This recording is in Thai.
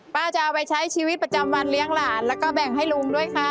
จะเอาไปใช้ชีวิตประจำวันเลี้ยงหลานแล้วก็แบ่งให้ลุงด้วยค่ะ